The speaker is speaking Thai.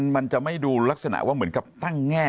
มันจะไม่ดูลักษณะว่าเหมือนกับตั้งแง่